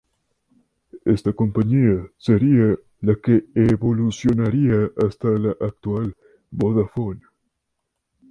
Esta compañía sería la que evolucionaría hasta la actual Vodafone.